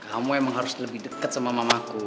kamu emang harus lebih dekat sama mamaku